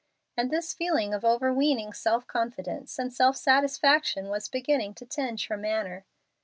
And this feeling of overweening self confidence and self satisfaction was beginning to tinge her manner.